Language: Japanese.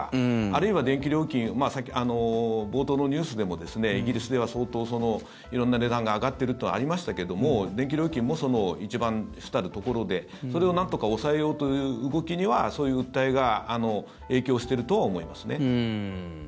あるいは電気料金冒頭のニュースでもイギリスでは相当色んな値段が上がってるとありましたけども電気料金も一番主たるところでそれをなんとか抑えようという動きにはそういう訴えが影響してるとは思いますね。